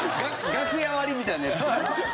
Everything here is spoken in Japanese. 楽屋割りみたいなやつ。